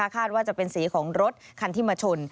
คาดว่าจะเป็นสีของรถคันที่มาชน